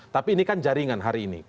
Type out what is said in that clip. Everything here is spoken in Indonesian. tapi ini kan jaringan hari ini